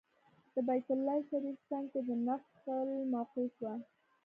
د بیت الله شریف څنګ کې د نفل موقع شوه.